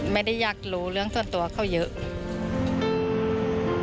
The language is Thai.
ไม่ได้อยากรู้เรื่องส่วนตัวเขาเยอะ